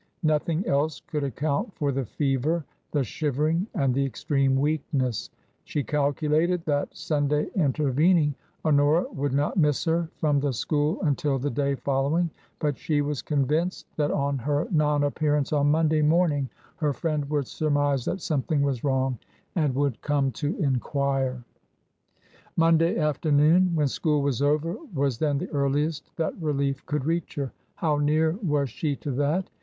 Nothing else could account for the fever, the shivering, and the extreme weakness. She calculated that, Sunday intervening, Honora would not miss her from the school until the day following. But she was convinced that on her non appearance on Monday morning her friend would surmise that something was wrong and would come to enquire. TRANSITION. yyj Monday afternoon, when school was over, was then the earliest that relief could reach her. How near was she to that